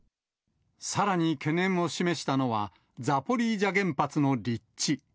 さらに懸念を示したのは、ザポリージャ原発の立地。